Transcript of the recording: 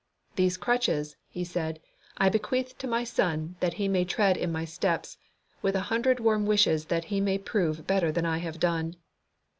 These crutches," he said, "I bequeath to my son that he may tread in my steps, with a hundred warm wishes that he may prove better than I have done."